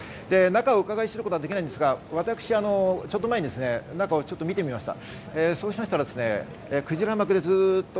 中を伺い知ることはできませんが、ちょっと前に中を見てみました。